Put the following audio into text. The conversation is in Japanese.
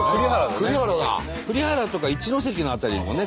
栗原とか一関の辺りもね